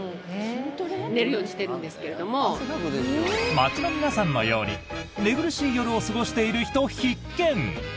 街の皆さんのように寝苦しい夜を過ごしている人必見！